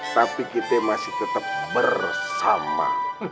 tapi kita masih tetap bersama